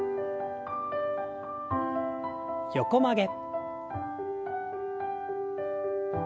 横曲げ。